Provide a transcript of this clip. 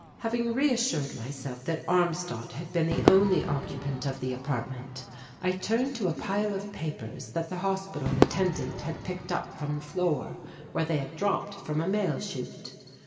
Having reassured myself that Armstadt had been the only occupant of the apartment, I turned to a pile of papers that the hospital attendant had picked up from the floor where they had dropped from a mail chute.